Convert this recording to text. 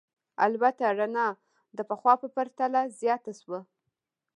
البته رڼا د پخوا په پرتله زیاته شوه.